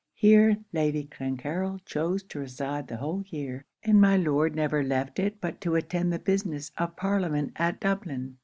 Here Lady Clancarryl chose to reside the whole year; and my Lord never left it but to attend the business of Parliament at Dublin.